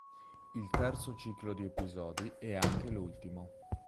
Il terzo ciclo di episodi è anche l'ultimo.